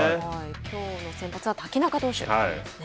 きょうの先発は瀧中投手ですね。